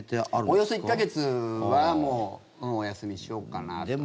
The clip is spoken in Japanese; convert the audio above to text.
およそ１か月はお休みしようかなって。